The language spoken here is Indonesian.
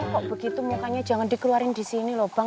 kok begitu mukanya jangan dikeluarin di sini loh bang